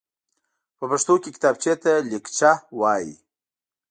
په پښتو کې کتابچېته ليکچه وايي.